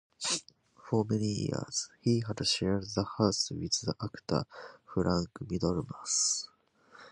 For many years he had shared a house with the actor Frank Middlemass.